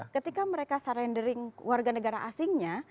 ketika mereka sarandering warga negara asingnya